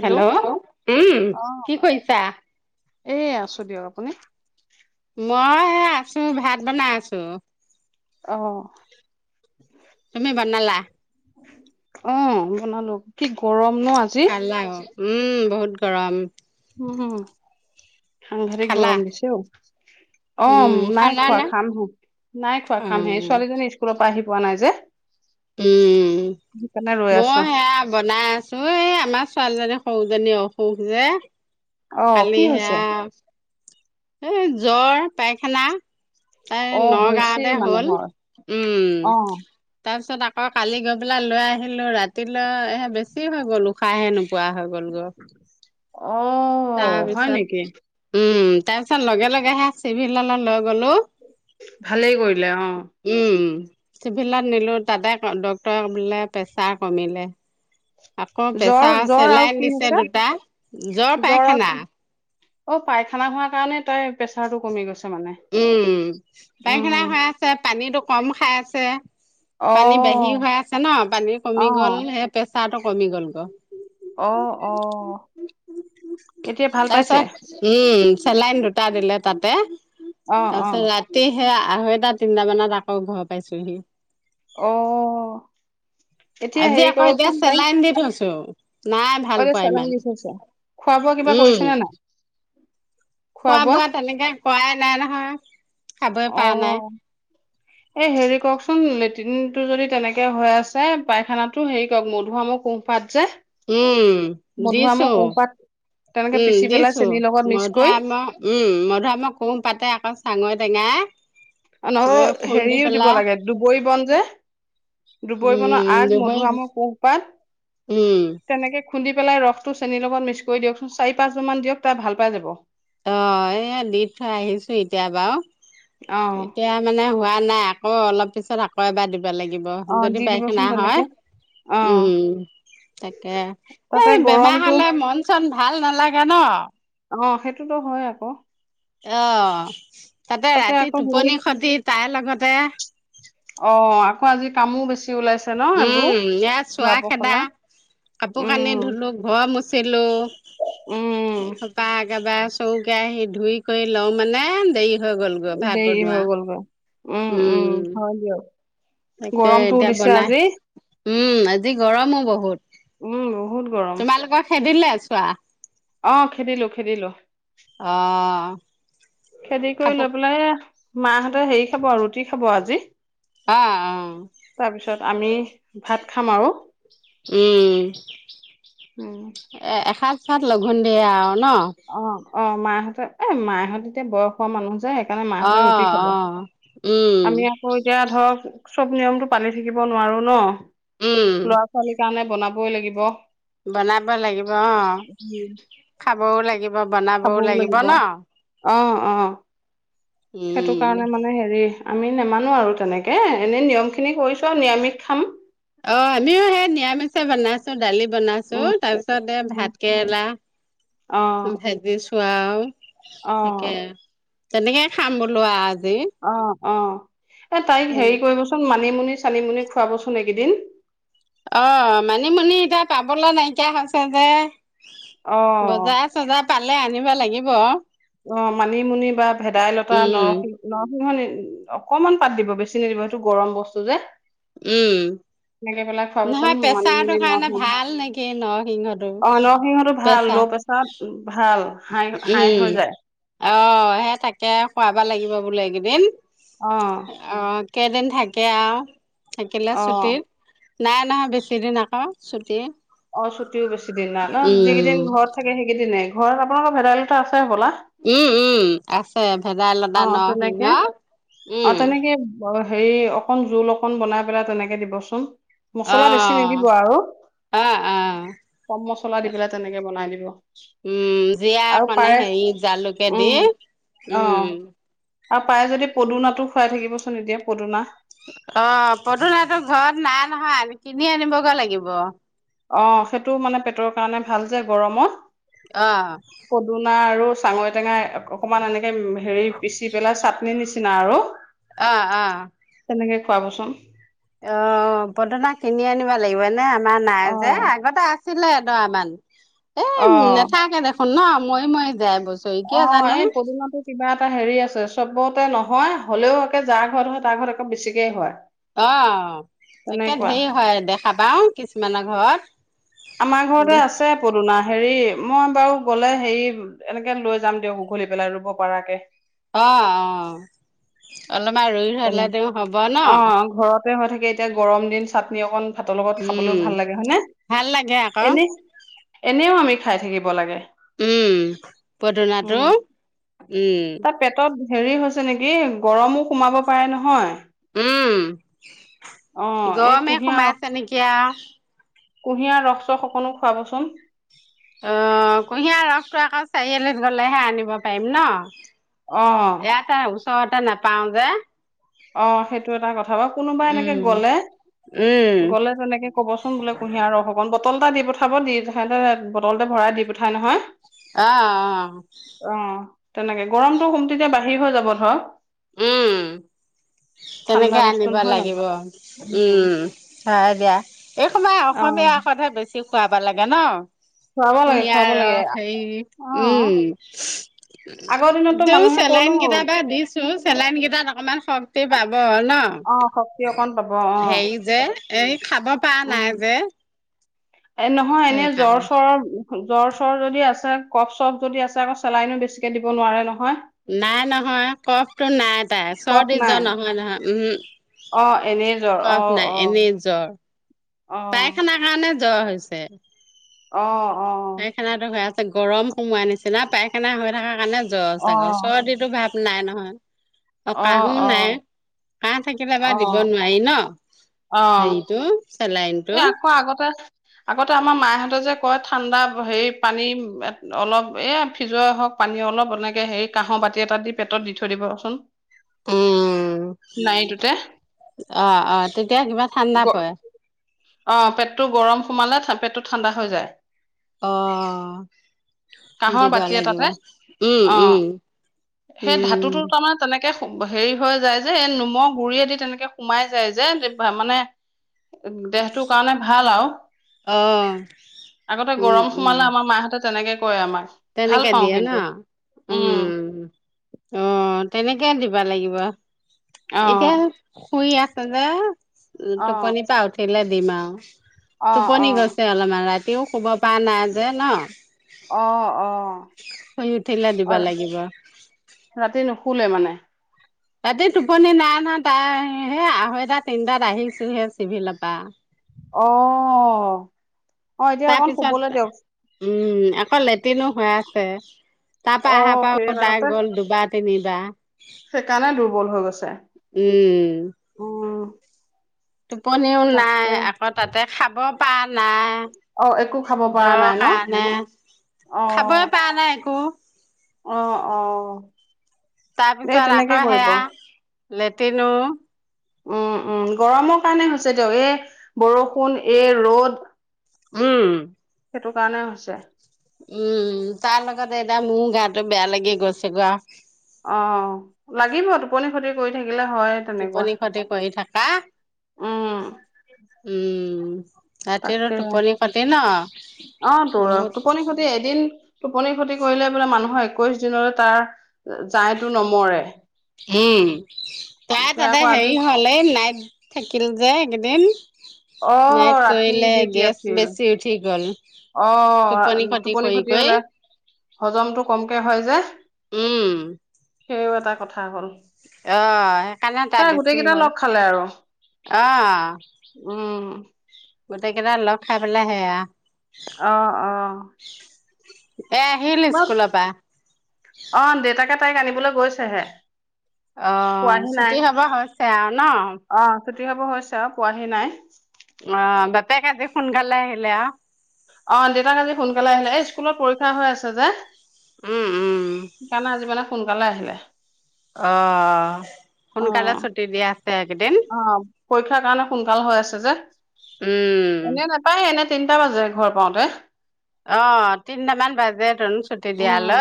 Hello, উম, কি কৰিছা? এই আছো দিয়ক আপুনি? মই সে আছো, ভাত বনাই আছো। অহ ', তুমি বনালা? অ, বনালো। কি গৰম ন আজি? খালা উম, বহুত গৰম। উম, আঠতে খালা? গৰম দিছে অ, অ, উম নাই খালা খোৱা নে? খামহে, নাই খোৱা অ খামহে। ছোৱালীজনী স্কুলৰ পৰা আহি পোৱা নাই যে। উম, সেইকাৰণে ৰৈ আছো মই সেয়া বনাই আছো। এই আমাৰ ছোৱালীজনী সৰুজনী অসুখ যে, অ কি কালি হৈছে সেয়া এ জ্বৰ পাইখানা। তাই অ হৈছেই নগাৱতে হ'ল। মানুহৰ অ উম, তাৰপিছ তাৰপিছত আকৌ কালি গৈ পেলা লৈ আহিলো। ৰাতিলৈ সে বেছি হৈ গ'ল। উশাহহে নোপোৱা হৈ গ'ল গৈ। অ তাৰ হয় নেকি পিছত, উম, তাৰপিছত লগে-লগেহে চিভিলল লৈ গলো। ভালেই কৰিলে অ, উম, চিভিলত নিলো তাতে ড্ক্তৰ বোলে প্ৰেছাৰ কমিলে। আকৌ জ্বৰ পেছা আছে জ্বৰ আৰু লাইন কি দিছে হৈছে দুটা। জ্বৰ, পাইখানা। অ, পাইখানা খোৱাৰ কাৰণে তাই প্ৰেচাৰ টো কমি গৈছে। মানে উম' পায়খানা উম হৈ আছে, পানীটো কম খাই আছে। অ পানী বাহিৰ হৈ আছে ন, পানী অ কমি গ'ল। সেই প্ৰেচাৰটো কমি গ'ল গৈ। অহ - অহ। [unintelligible] চেলাইন দুটা দিলে তাতে, অ', তাৰপিছত অ', ৰাতি সেইয়া আঢ়ৈটা তিনটাামানত আকৌ ঘৰ পাইছোহি অ' এতিয়া আজি হেৰি আকৌ এতিয়া কৰকচোন তাইক চেলাইন দি থৈছো, নাই ভাল অৰে পোৱা চালান ইমান। দি থৈছে, খোৱা বোৱা কিবা উম কৰিছেনে নাই খোৱা বোৱা তেনেকে কৰাই নাই নহয় খাবই অ পৰা নাই এই হেৰি কওকচোন লেট্ৰিনটো যদি তেনেকে হৈ আছে পাইখানাটো হেৰি কৰক মধুৰামৰ কোঁহপাত যে উম মধুআমৰ দিছো। কোঁহপাত তেনেকে পিচি উম পেলাই দিছো, চেনিৰ লগত মিক্স কৰি মধুুৰামৰ উম মধুৰামৰ কোঁহপাতে আকৌ চাঙৰি টেঙাই নহ মই খুন্দি হেৰিও দিব পেলাই লাগে দুবৰি বন যে দুবৰি বনৰ উম আগ দুবৰি মধুআমৰ পোহপাত উম তেনেকে খুন্দি পেলাই ৰসটো চেনীৰ লগত মিক্স কৰি দিয়কচোন, চাৰি পাঁচবাৰ মান দিয়ক, তাই ভাল পাই যাব অ এ দি থৈ আহিছো এতিয়া বাৰু অ', এতিয়া মানে হোৱা নাই আকৌ অলপ পিছত আকৌ এবাৰ দিব ব লাগিব অ', দি যদি দিবচোন পায়খানা তেনেকে। হয় অ', উম তাকে এ তাতে বেমাৰ গৰমটো হলে মন চন ভাল নালাগে ন অ সেইটোতো হয় আকৌ অ তাতে ৰাতি আকৌ হেৰি টোপনি খতি তাৰ লগতে অ আকৌ আজি কামো বেছি ওলাইছে ন উম এইবোৰ ইয়াৰ চোৱা ধোৱা খেদা পখলা কাপোৰ কানি উম ধুলো ঘৰ মুচিলো উম এই সোপাক একেবাৰে চৰুকে আহি ধুই কৰি লওঁ মানে দেৰি হৈ গ'ল গৈ ভাত দেৰি বনোৱা হৈ গ'লগৈ উম তাকে গৰমটো এতিয়া দিছে বনাই আজি উম আজি গৰমো বহুত উম বহুত গৰম তোমালোকৰ খেদিলে চোৱা অ খেদিলো খেদিলো অ খেদি কৰি কাপোৰ লৈ পেলাই এইয়া মাহঁতে হেৰি খাব আৰু ৰুটি খাব আজি অ অ তাৰপিছত আমি ভাত খাম আৰু উম উম এ এসাজ ভাত লঘোণ দিয়ে আৰু ন অ অ মাহহঁতৰ এ মাহহঁতে এতিয়া বয়স হোৱা মানুহ যে সেইকাৰণে অ মাহঁতৰ ৰুটি খাব অ উম আমি আকৌ এতিয়া ধৰক চব নিয়মতটো পালি থাকিব নোৱাৰো ন উম - ল'ৰা ছোৱালীৰ কাৰণে বনাবই লাগিব বনাব লাগিব অ খাবও লাগিব বনাবও খাবও লাগিব ন অ অ সেইটো উম কাৰণে মানে হেৰি আমি নেমানো আৰু তেনেকে এনেই নিয়ম খিনি কৰিছো আৰু নৰামিষ খাম অ আমিও সেই নিৰামিষেই বনাইছো দালি বনাইছো উম তাৰ পিছত এ উম ভাত কেৰেলা অ ভাজিচোৱাও অ তেনেকে খাম বোলোৱা আ অ অ এ তাইক হেৰি কৰিবচোন মা নিমুনি চানিমুনি খুৱাবচোন এইকেইদিন অ মানিমুনি এতিয়া পাবলৈ নাইকিয়া হৈছে যে অ বজাৰ চজাৰ পালে আনিব লাগিব। অ মানিমুনি বা ভেদাইলতা উম নৰসিং অকনমান পাত দিব বেছি নিদিব সেইটো গৰম বস্তু যে। উম। এনেকে পেলাই খোৱাবচোন নহয় মানিমুনি পেছাৰটোৰ কাৰণে নৰসিংহ ভাল নেকি নৰসিংহটো পেছা ত পাছত ভাল। হাই হাই উম হৈ যায় অ', সেই তাকে খোৱাবা লাগিব বোলে এইকেইদিন। অ অ', কেইদিন থাকে আৰু থাকিলে অ ছুটিত নাই নহয় বেছিদিন আকৌ ছুটি অ ছুটিও বেছি দিন নাই ন যি কেইদিন উম, ঘৰত থাকে সেইকেইদিনে ঘৰত আপোনালোকৰ ভেদাইলতা আছে হ'লা উম উম আছে ভেদাইলতা অ নৰসিংহ তেনেকে অ উম'। তেনেকে হেৰি অকন জোল অকন বনাই পেলাই তেনেকে দিবচোন মছলা বেছি নিদিব অ', আৰু অ', অ', কম মছলা দি পেলাই তেনেকে বনাই দিব উম আৰু জীৰাকণে পাৰে হেৰি জালুকে দি উম অ উম। আৰু পায় যদি পদুনাটো খুৱাই থাকিবচোন এতিয়া পদুনা। অ', পদুনাটো ঘৰত নাই নহয়ি কিনি আনিবগৈ লাগিব। অ', সেইটো মানে পেটৰ কাৰণে ভাল যে গৰমত, অ', পদুনা আৰু চাঙৰি টেঙাই অকমান এনেকে হেৰি পিচি পেলাই চাটনি নিচিনা আৰু। অ', অ'। খোৱাব চোন অ, পদনা কিনি আনিব লাগিব এনে আমাৰ নাই যে অ', আগতে আ আছিলে এদৰা মান এ অ', নাথাকে দেখোন ন' মৰি মৰি যাই বো অ', এই পদমটো কিবা। এটা হেৰি আছে চবতে নহয় হ'লেও একে যাৰ ঘৰত হয় তাৰ ঘৰত একৌ বেছিকেই হয়। অ', একে তেনেকুৱা ধেৰি হয় দেখা পাও কিছুমানৰ ঘৰত আমাৰ ঘৰতে দে আছে পদুনা হেৰি। মই বাৰু গ'লে হেৰি এনেকে লৈ যাম দিয়ক উঘলি পেলাই ৰুব পাৰকে। অ', অ'। অলপমান ৰুই থলে তেনে তেওঁ হ'ব ন অ', ঘৰতে হয় থাকে এতিয়া গৰম দিন চাটনি অকন ভাতৰ লগত খাই। খাবলৈও উম ভাল লাগে হয় নে। ভাল লাগে আক'। এনেও আমি খাই থাকিব লাগে। উম পদনাটো উম। উম তাৰ পেটত হেৰি হৈছে নেকি গৰমো সোমাব পাৰে নহয়। উম অ গমে সুমাইছে নেকিয়া কুঁহিয়াৰ ৰস চস অকণো খুৱাবচোন। অ কুঁহিয়াৰ ৰসটো আকৌ চাৰিআলিত গ'লেহে আনিব পাৰিম ন'। অ'। চট নাপাওঁ যে। অ সেইটো এটা কথা বাৰু কোনোবা এনেকে উম গলে উম গ'লে তেনেকে ক'বচোন বোলে কুঁহিয়াৰ ৰস অকণ বটল এটা দি পঠাব দি তহঁতে বটলটো ভৰাই দি পঠাই নহয় অ', অ'। তেনেকে গৰমটো সোম তেতিয়া বাহিৰ হৈ যাব ধৰ'। উম উ। তেনেকে আনিব লাগিব উম, হয় দিয়া এই সমমাই অ অসমীয়া সদহে বেছি খুৱাব লাগে ন'। খুৱাব লাগে কুঁহিয়াৰ খুৱাব লাগে ৰস সেই অ উম আগৰ দিনতো দে মানুহে চেলাইন কনো কেইটাৰ বা দিছো চেলাইন কেইটাত অকমান শক্তি পাব অ ন অ শক্তি অকণ পাব অ হেৰি যে এই খাব পৰা নাই উম যে এ নহয় এনে জ্বৰ সেইকাৰণে চ্বৰৰ। জ্বৰ চ্বৰ যদি আছে কফ চপ যদি আছে আকৌ চেলাইনো বেছিকে দিব নোৱাৰে ন'। নাই নহয় কফটো নাই তাই কফ চৰ্দি জ্বৰ নাই নহয় নহয় অ উম। এনেই জ্বৰ অ কফ নাই এনেই জ্বৰ। অ পাইখানা কাৰণে জ্বৰ হৈছে। অ। পায়খানাতো হৈ আছে গৰম সোমাৱা নিচিনা পায়খানা হৈ থকাৰ কাৰণে জ্বৰ অ অ চাগে, চৰ্দিটো ভাৱ নাই নহয়। অ কাহো নাই। কাহ থাকিলে অ বাৰু অ দিব নোৱাৰি ন হেৰিটো? চেলাইনটো এ আকৌ আগতে আগতে আমাৰ মা হতৰ যে কয় ঠাণ্ডা হেৰি পানী অলপ এই ফ্ৰীজৰে হওক পানী অলপ এনেকে হেৰি কাহ বাটি এটা দি পেটত দি থৈ দিবচোন উম নাৰটোতে। অ অ তেতিয়া কিবা গ ঠাণ্ডা পৰে। অ পেটটো গৰম সোমালে পেটটো ঠাণ্ডা হৈ যায়। অ কাঁহৰ দিব বাতি লাগিব। এটাতে উম অ উম। সেই উম ধাতুটো তাৰমানে তেনেকে তেনকে হেৰি হৈ যায় যে এই নোমৰ গুৰিয়েদি তেনেকে সোমাই যায় যে মানে [unintelligible] সেইটো কাৰণে ভাল আৰু অ আগতে উম গৰম উম সোমালে আমাৰ মাহঁতে তেনেকে কয় আমাক ভাল তেনেকে পাওঁ দিয়ে ন? কিন্তু উম অ। তেনেকে দিব লাগিব। অ এতিয়া শুই আছে যে অ টোপনি পা উঠিলে দিম আৰু অ টোপনি গৈছে অলপমান ৰাতিও শুব পৰা নাই যে নহ অ অ অ শুই উঠিলে দিব অ লাগিব ৰাতি নুশুলে মানে ৰাতি টোপনি নাই নহয় তাই, সেই আঢ়ৈটা তিনটাত আহিছোহে চিভিলৰ পৰা অহ তাৰপিছত উম, আকৌ লেট্ৰিনো হৈ আছে। তাৰ পৰা অ অহাৰ পৰা সেই আকৌ আগতে বায়েক গল দুবাৰ সেইকাৰণে দুৰ্বল হৈ গৈছে তিনিবাৰ উম উম টোপনিও নাই, তাকে আকৌ তাতে খাব পৰা অ একো খাব নাই। পৰা জ্বৰৰ নাই ন কাৰণে, খাবই পৰা নাই একো অহ, অহ তাৰপিছত আকৌ সেয়া, লেট্ৰিনো উম উম, গৰমৰ কাৰণে হৈছে দিয়ক, এই বৰষুণ এই ৰদ উম সেইটোৰ কাৰণে হৈছে। উম, তাৰ লগতে এতিয়া মোৰো গাটো বেয়া লাগি গৈছেগৈ আৰু। অ লাগিব টোপনি ক্ষতি কৰি থাকি থাকিলে হয়ে তেনেকুৱা টোপনি ক্ষতি কৰি থাকা, উম। উম। ৰাতিটো তাকে। টোপনি ক্ষতি ন অ তো বহুত। টোপনি ক্ষতি এদিন টোপনি ক্ষতি কৰিলে বোলে মানুহৰ একৈশ দিনলৈ তাৰ জালটো নমৰে। উম তাই এতিয়া তাতে আকৌ আজি হেৰি হ'ল এই লাইট থাকিল যে। এদিন অ নাইট ৰাতি কৰিলে ডিউটি গেছ আছিল বেছি উঠি গ'ল অ', টোপনি ক্ষতি হ'লে হজমটো কমকে হয় যে উম। সেইটোয়ো এটা কথা হ'ল। অহ সেইকাৰণে তাই গোটেই বেছি কেইটা হ'ল। লগ খালে আৰু অহ, উম গোটেই কেইটা লগ খাই পেলাই সেয়া। অ', অ', এই আহিল মই স্কুলৰ পৰা। অ', দেউতাকে তাইক আনিবলৈ গৈছেহে। অ পোৱাহি ছুটি হ'ব হৈছে আৰু ন? চুটি হ'ব হৈছে আৰু পোৱাহি নাই। অ', বাপেক আজি সোনকালে আহিলে আ। অ'দেউতাক আজি সোনকালে আহিলে, এই স্কুলত পৰীক্ষা হৈ আছে যে উম উম। সেইকাৰণে আজি মানে সোনকালে আহিলে। অ', সোনকালে অ', ছুটি দি আছে এইকেইদিন। অ', পৰীক্ষাৰ কাৰণে সোনকাল হৈ আছে যে। উম। এনে নাপায় এনে তিনটা বাজে ঘৰ পাওঁতে। অ', তিনটামান বাজেতোন ছুটি উম, দিয়ালে,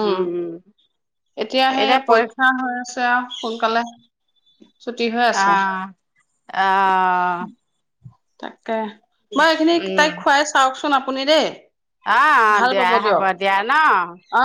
উম। এতিয়া হেই পৰীক্ষা হৈ আছে আৰু সোনকালে। ছুটি হৈ আছে অ'- অ'। তাকে, মই এইখিনি উম। তাইক খুৱাই চাওকচোন আপুনি দেই। অ', অ', ভাল দিয়া পাব হ'ব দিয়ক, দিয়া ন'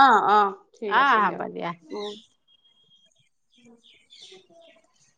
অ 'অ ঠিক আছে অ', হ'ব দিয়ক। দিয়া। উ- [inaudible]